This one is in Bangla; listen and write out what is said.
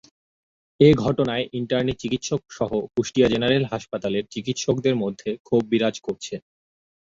এ ঘটনায় ইন্টার্নি চিকিৎসকসহ কুষ্টিয়া জেনারেল হাসপাতালের চিকিৎসকদের মধ্যে ক্ষোভ বিরাজ করছে।